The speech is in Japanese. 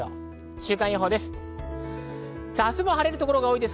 週間予報です。